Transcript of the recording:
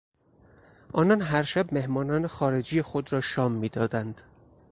آنان هر شب مهمانان خارجی خود را شام میدادند.